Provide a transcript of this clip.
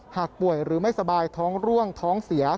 หากป่วยหรือไม่สบายท้องร่วงท้องเสีย